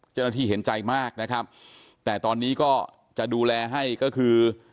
เจ้าหน้าที่เห็นใจมากนะครับแต่ตอนนี้ก็จะดูแลให้ก็คือ